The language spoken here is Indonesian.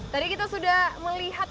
tadi kita sudah melihat